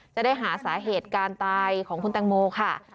จะได้หาสาเหตุการตายของคุณแตงโมค่ะ